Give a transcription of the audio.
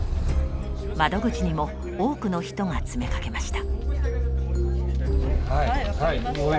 窓口にも多くの人が詰めかけました。